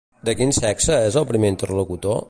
De quin sexe és el primer interlocutor?